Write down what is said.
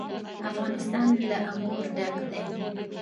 افغانستان له انګور ډک دی.